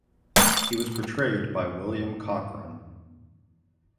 He was portrayed by William Cochran.